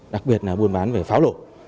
đặc biệt là buôn bán về pháo lột